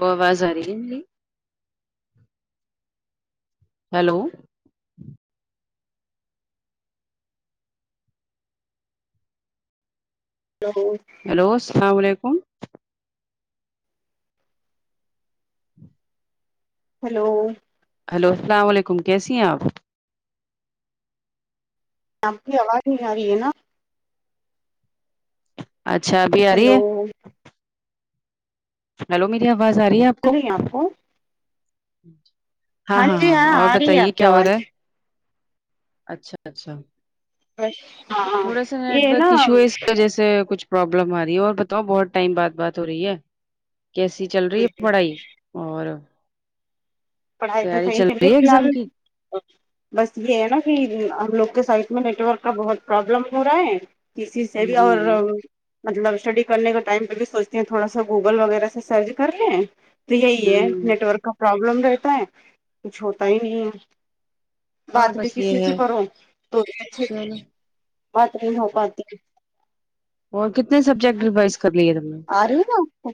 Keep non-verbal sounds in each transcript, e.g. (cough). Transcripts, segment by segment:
Boys آرہی hello (unintelligible) hello السلام علیکم ہیلو ہلو السلام وعلیکم کیسی ہیں آپ آپ کی آواز نہیں آ رہی ہے نا اچھا ابھی آ رہی ہے ہلو ہیلو میری آواز آ رہی ہے آپ (unintelligible) مل کو رہی ہیں آپ کو ہاں ہاں جی ہاں اور آ رہی ہے بتائیے آپ کی کیا ہو آواز رہا ہے اچھا اچھا بس ہاں ہاں تھوڑا سا یہ نیٹورک ایشو ہے نا اس و جیسے کچھ پروابلم آ رہی ہے اور بتاؤ بہت ٹائم بعد بات ہو رہی ہے کیسی چل رہی ہے پڑھائی اور پڑھائی تو تیاری صحیح چل چلرہی رہی ہے فی ایگزام کی الحال بس یہ ہے نا کہ ہم لوگ کے سائٹ میں نیٹورک کا بہت پرابلم ہو رہا ہے کسی سے بھی جی اور جی مطلب اسٹڈی کرنے کے ٹائم پہ بھی سوچتے ہیں تھوڑا سا گوگل وغیرہ سے سرچ کر رہے ہیں تو یہی ہے ہوں نیٹ ورک کا پرابلم رہتا ہے کچھ ہوتا ہی نہیں ہے ہاں بات بھی بس کسی یہ سے ہے کرو تو اچھے چلو سے بات نہیں ہو پاتی اور کتنے سبجیکٹ ریوائز کر لیے تم نے آ رہی ہے نا آپ کو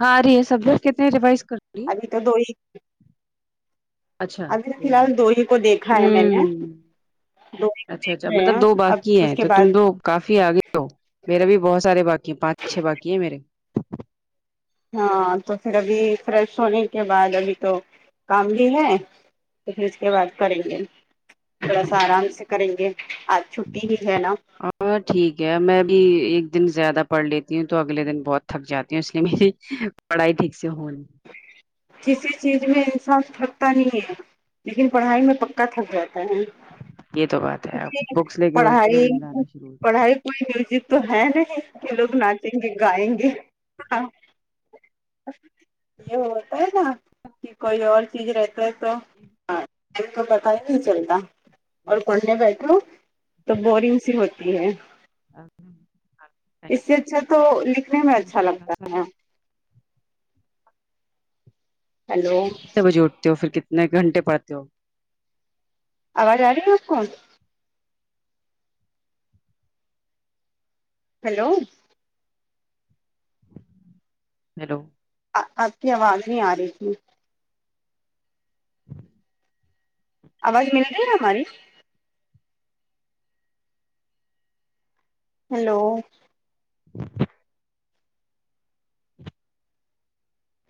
ہاں ری ہے سبجیکٹ کتنے ریوائز کر (unintelligible) ابھی تو دو ہی اچھا ابھی تو فی الحال ہوں دو ہی کو دیکھا ہے میں نے دو ہی کو اچھا اچھا دیکھ رہے مطلب ہیں دو بار اب کیے ہے اس کے تو تم بعد دو کافی آگے ہو میرا بھی بہت سارے باقی ہیں پانچ چھ باقی ہیں میرے ہاں تو پھر ابھی فریش ہونے کے بعد ابھی تو کام بھی ہے تو پھر اس کے بعد کریں گے تھوڑا سا آرام سے کریں گے آ چھٹی ہی ہے نا ہاں ٹھیک ہے میں بھی ایک دن زیادہ پڑھ لیتی ہوں تو اگلے دن بہت تھک جاتی ہوں اس لیے پڑھائی ٹھیک سے ہون کسی چیز میں انصاف تھکتا نہیں ہے لیکن پڑھائی میں پکا تھک جاتا ہے یہ تو بات ہے آپ بکس لے کے بیٹھے تو پڑھائی نیند آنا شروع ہو جاتی۔ پڑھائی کوئی میوزک تو ہے نہیں کہ لوگ ناچیں گے گائیں گے ہاں اچ یہ ہوتا ہے نا کہ کوئی اور چیز رہتا ہے تو ج تو پتا ہی نہیں چلتا اور کن پڑھنے بیٹھو تو بورنگ س ہوتی ہے اس سے اچھا تو لکھنے میں اچھا لگتا ہے ہیلو کتنے بجے اٹھتے ہو پھر کتنے گھنٹے پڑتے ہو آواز آ رہی ہے آپ کو ہیلو ہیلو آ آپ کی آواز نہیں آ رہی تھی آواز مل گی ہے نا ہماری ہیلو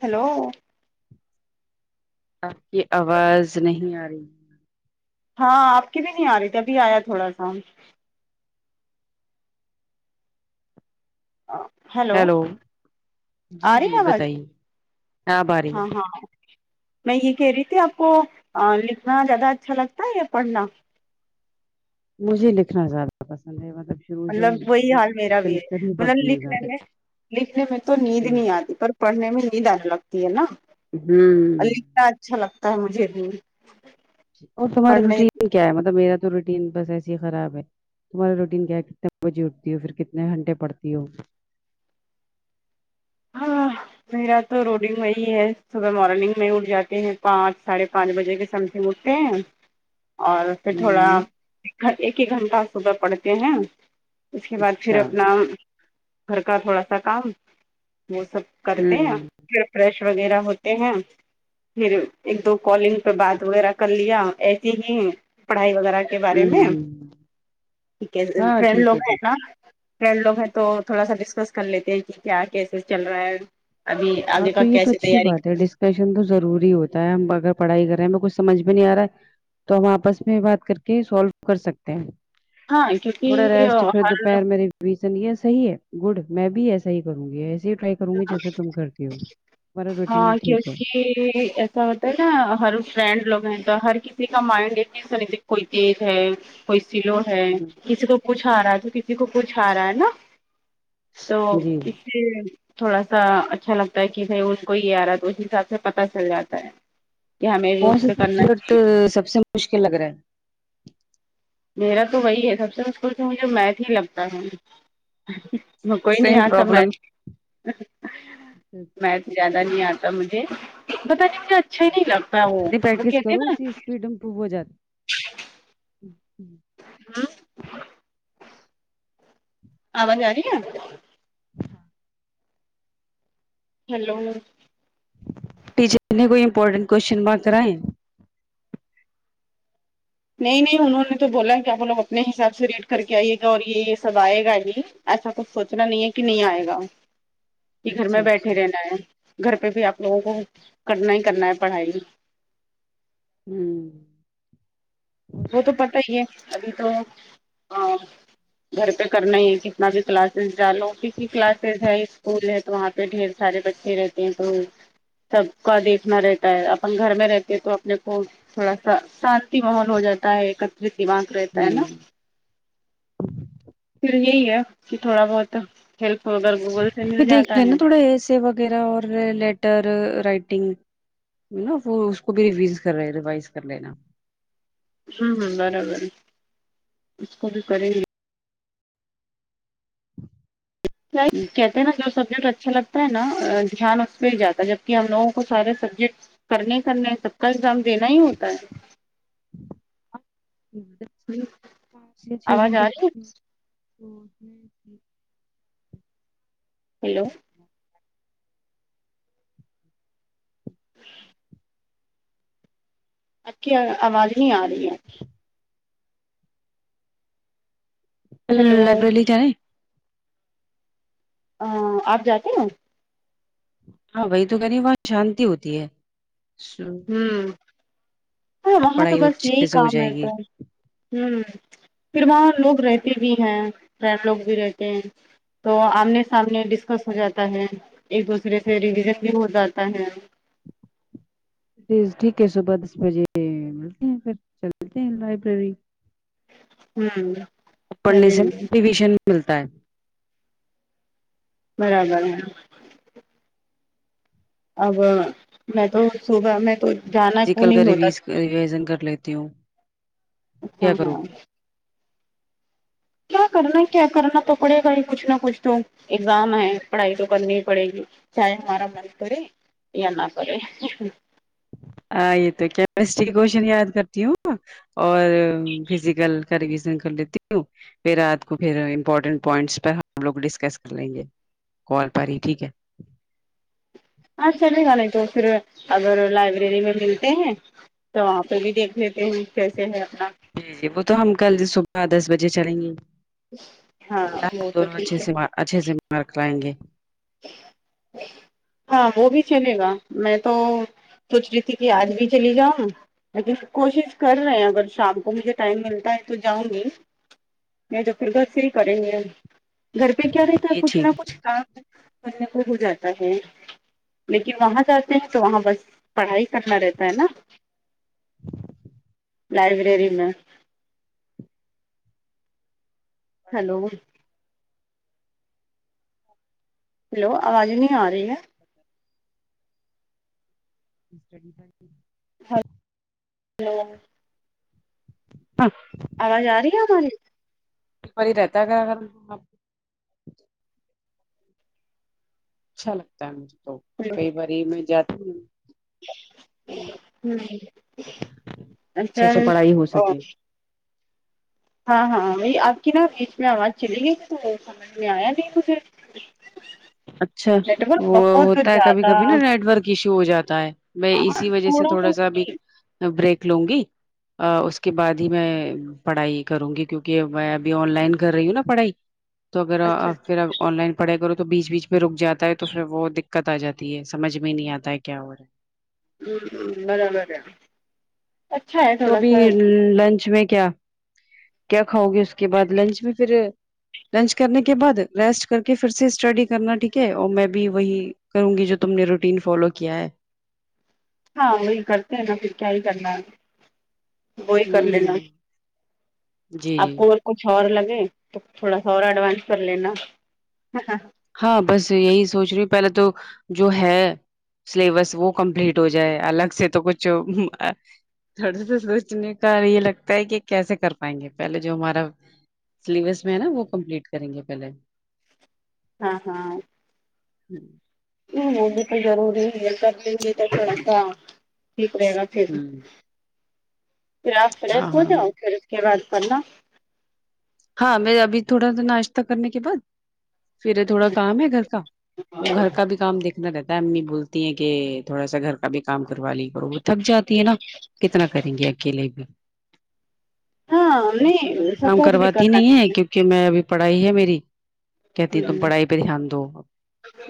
ہیلو آپ کی آواز نہیں آ رہی ہاں آپ کی بھی نہیں آ رہی تھی ابھی آیا تھوڑا سا ہیلو جی آ رہی جی ہے آواز بتائیے اب آ رہی ہے ہاں ہاں میں یہ کہہ رہی تھی آپ کو لکھنا زیادہ اچھا لگتا ہے یا پڑھنا مجھے لکھنا زیادہ پسند ہے مطلب شروع سے ہی مطلب وہی میں حال میرا لکھ بھی ہے لکھکر ہی مطلب پڑھتی ہوں لکھ نے زیادہ تر میں لکھنے میں تو نیند ہوں نہیں آتی پر پڑھنے میں نیند آنے لگتی ہے نا ہوں اور لکھنا اچھا لگتا ہے مجھے بھی اور تمہارا پڑھنے روٹین کیا ہے مطلب میرا تو روٹین بس ایسے ہی خراب ہے تمہاری روٹین کیا کتنے بجے اٹھتی ہو پھر کتنے گنٹے پر تی ہو ہاں میرا تا روٹین وہی ہے صبح مورننگ میں اٹھ جاتے ہے پانچ ساڑے پانچ بجے کے سمے پھر اٹھ تے ہے اور پھر تھوڑا ہوں ایک ایک گھنٹہ صبح پڑتے ہیں اس کے بعد پھر اچھا اپنا گھر کا تھوڑا سا کام وہ سب ہوں کرتے ہیں پھر فریش وغیرہ ہوتے ہیں پھر ایک دو کالنگ پہ بات وغیرہ کر لیا ایسی ہی پڑھائی وغیرہ کے بارے ہوں میں ہوں ٹھیک ہے ہاں فریڈ ٹھیک لوگ ہے ہیں ٹھیک کا فرینڈ لوگ ہیں تو تھوڑا سا ڈسکس کر لیتے ہیں کہ کیا کیسے چل رہا ہے ابھی آگے کا کیسے تیاری کرنا فیشن تو ضروری ہوتا ہے ہم اگر پڑھائی کر رہے ہیں ہمیں کچھ سمج بھی نہیں آ رہا ہے تو ہم آپس میں بات کر کے سولو کر سکتے ہیں ہاں تھوڑا کیونکہ ریسٹ پھر ہر دوپہر میری ریثوں یھی ساہی ہے گود میے بھی ایسا ہی کرونگی اسے ہی ٹرے کرونگی جیسے تم کرتی ہو تمہارا روٹین ٹھیک ہے پھر ایسا ہوتا ہے نہ ہر فرینڈ لوگ ہے تو ہر کسی کا مینڈ ایک جیسا نہیں دیکھتا کوئی تیز ہے کوئی سلو ہے ہوں کسی کو کچھ آ رہا ہے جو کسی کو کچھ آ رہا ہے نا تو جی جی اس لئے تھوڑا سا اچھا لگتا ہے کہ بھائی ان کو یہ آ رہا ہے تو اسی حساب سے پتتا چل جاتا ہے کہ ہمیں بھی کون اس سےا پہ کرنا سبجیکٹ چاہیے سب سے مشکل لگ رہا ہے میرا تو وہی ہے سب سے مشکل مجھے میت ہی لگتا ہے مکو ہی نہیں سیم اٹا پرابلم مکس کوئی مکس زیادہ نہیں اتا مجھے اچھا نہیں لگتا وہ وہ کہتے نا پڈم پو بو جات ہاں آواز آری ہے ہیلو ٹیچر نے کوئی امپورٹینٹ کوشچن مارک کرائے نہیں نہیں انہوں نے تو بولا کی اپ لوگ اپنے حساب سے ریڈ کر کے آئیے گا اور یہ یہ سب آئے گا ابھی ایسا کچھ سوچنا نہیں ہے کہ نہیں آئے گا کہ گھر میں اچھا اچھا بیٹھے رہنا ہے گھر پہ بھی آپ لوگوں کو کرنا ہی کرنا ہے پڑھائی ہوں وو تو پتا ہی ہے ابھی تو گھر پہ کرنا ہی ہے کتنا بھی کلاسز جاالو کسی کلاسز ہے اسکول ہے وہاں پہ ڈھیر سارے بچے رہتے ہیں تو سب کا دیکھنا رہتا ہے اپن گھر میں رہتے تو اپنے کو تھوڑا سا شانتی ماحول ہو جاتا ہے ایکت دماک رہتا ہے نا ہوں پھر یہی ہے کہ تھوڑا بہت ہیلپ وگر گوگل سے مل جاتا ہے سے وغیرہ اور لیٹر رائٹنگ نا وہ اس کو بھی ریویز کر رہے ریوائز کر لینا ہاں ہاں برابر اسکو بھی کرے گی کہتے ہیں نا جو سبجیکٹ اچھا لگتا ہے نا دھیان اس پہ ہی جاتا ہے جبک ہم لوگوں کو سارے سبجیکٹ کرنے کرنے سب کا ایگزام دینا ہی ہوتا ہے ہے پانچ یا چھ آواز گھنٹے آ پ رہی ہے تو میں ہیلو جی آپکی آواز نہیں آ رہی ہے ہیلو لائبریری جائے آپ جاتے ہیں ہاں وہی تو کہنی وہاں شانتی ہوتی ہے ہ ہاں وہاں تو پڑھائی بس اچھے یہی سے ہو کام جائے ہے تو گی ہوں پھر وہاں لوگ رہتے بھی ہیں لوگ بھی رہتے ہیں تو آمنے سامنے ڈسکس ہو جاتا ہے ایک دوسرے سے ریوجن بھی ہو جاتا ہے جی ٹھیک ہے صبح دس بجے ملتے ہیں پھر چللتے ہیں لائبریری ہوں پڑھنے سے نا چلیے پویشن ملتا ہے برابر ہے اب میں تو صبح میں تو جانا جی کیوں کل کر نہیں ہوتا رویز ریوزن کر لیتی ہوں اچھا کیا کروں ہاں کیا کرنا کیا کرنا تو پڑے گا ہی کچھ نہ کچھ تو ایگزام ہے پڑھائی تو کرنی ہی پڑے گی چاہے ہمارا من کرے یا نہ کرے ہاں یہ تو کیمسٹری کے کوشچن یاد کرتی ہوں اور فزیکل کا ایڈمیشن کر لیتی ہوں پھر رات کو پھر امپورٹنٹ پوائنٹس پر ہم لوگ ڈسکس کر لیں گے کال پر ہی ٹھیک ہے ہاں چلے گا نہیں تو پھر اگر لائبریری میں ملتے ہیں تو وہاں پہ بھی دیکھ لیتے ہیں کیسے ہے اپنا جی جی وہ تو ہم کل صبح دس بجے چلیں گے ہاں اللہ ہم وہ تو دونوں اچھے ٹھیک ہے سے اچھے سے مارک لایںگے ہاں وہ بھی چلے گا میں تو سوچ رہی تھی کہ آج بھی چلی جاؤ لیکن کوشش کر رہے ہیں اگر شام کو مجھے ٹائم ملتا ہے تو جاؤں گی نہیں تو پھر سے ہی کریں گے ہم گھر پہ کیا رہتا ہے یہ کچھ نہ ٹھیک کچھ کام کرنے کو ہو جاتا ہے لیکن وہاں جاتے ہیں تو وہاں بس پڑھائی کرنا رہتا ہے نا لائبریری میں ہیلو ہیلو آواز نہیں آ رہی ہے اسڈی ب ہیلو ہ آواز آ رہی ہے ہماری پر ہی رہتا گا اگر اچھا لگتا ہے مجھے تو ہلو، کئی باری میں جاتی ہوں ہمم، اچھا اچھے سے پڑھائی ہو او سکے ہاں ہاں وہی آپ کی نا بیچ میں آواز چلی گئی وہ سمجھ میں آیا نہیں مجھے (unintelligible) اچھا نیٹورک وہ بہت ہوتا ہے کبھی زیادہ کبھی نا نیٹورک ایشو ہو جاتا ہے ب اسی وجہ سے تھوڑا سا بھی بریک لوں گی اس کے بعد ہی میں پڑھائی کروں گی کیونکہ میں ابھی آن لائن کر رہی ہوں نا پڑھائی تو اگر آ اچھا پھر اب آن لائن پڑھائی کر تو بیچ بیچ میں رک جاتا ہے تو پھر وہ دقت آ جاتی ہے سمجھ میں نہیں آتا ہے کیا ہو رہا ہے برابر ہے اچھا ہے تو تھوڑا ابھی سا لنچ میں کیا کیا کھاؤ گے اس کے بعد لنچ میں پھر لنچ کرنے کے بعد ریسٹ کر کے پھر سے اسٹڈی کرنا ٹھیک ہے اور میں بھی وہی کروں گی جو تم نے روٹین فالو کیا ہے ہاں وہی کرتے ہیں ناں پھر کیا ہی کرنا ہے وہی کر لینا ہوں ہ جی جی آپ کو اگر کچھ اور لگے تو تھوڑا سا اور ایڈوانس کر لینا ہاں بس یہی سوچ رہی ہوں پہلے تو جو ہے سلیبس وہ کمپلیٹ ہو جائے الگ سے تو کچھ تھوڑا سا سوچنے کا یہ لگتا ہے کہ کیسے کر پائیں گے پہلے جو ہمارا سلیبس میں ہے نا وہ کمپلیٹ کریں گے پہلے ہاں ہاں ہوں وہ بھی تو ضروری ہے کر دیں گے تو تھڑا سا ٹھیک رہے گا پھر ہوں پھر آپ ہاں فریش ہو ہاں جاؤ پھر اس کے بعد پڑھنا ہاں میں ابھی تھوڑا سا ناشتہ کرنے کے بعد پھر تھوڑا کام ہے گھر کا وہ گھر کا بھی کام دیکھنا رہتا ہے امی بولتی ہیں کہ تھوڑا سا گھر کا بھی کام کروا لیا کرو تھک جاتی ہے ناں کتنا کریں گے اکیلے بھی ہاں اس سے نہیں زیادہ کام سپورٹ بھی کرواتے کرنا کیونکہ میں ابھی پڑھائی ہے میری کہتی ہیں تم پڑھائی پہ دھیان دو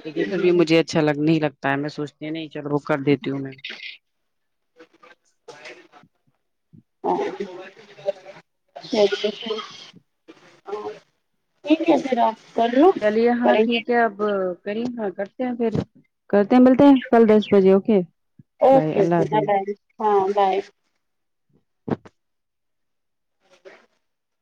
لیکن پھر بھی مجھے اچھا لگ نہیں لگتا ہے میں سوچتی ہیں نہیں چلو‌ وہ کر دیتی ہوں میں (inaudible) (unintelligible) یہ کیسا رہا چلیے ہاں ٹھیک ہے اب کریم ہاں کرتے ہیں پھر کرتے ہیں ملتے ہیں کل دس بجے اوکے بھائی اوکے اللہ اوکے بائے حافظ بائے ہاں بائے (inaudible)